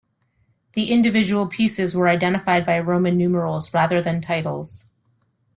The individual pieces were identified by Roman numerals rather than titles.